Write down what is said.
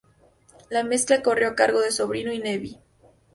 La mezcla corrió a cargo de Sobrino y Nebbia.